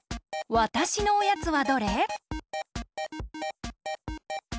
わたしのおやつは。